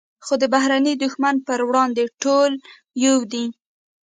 خو د بهرني دښمن پر وړاندې ټول یو دي.